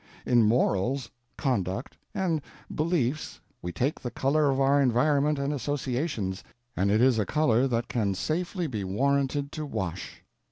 In morals, conduct, and beliefs we take the color of our environment and associations, and it is a color that can safely be warranted to wash.